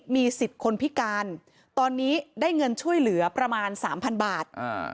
มีสิทธิ์คนพิการตอนนี้ได้เงินช่วยเหลือประมาณ๓๐๐บาท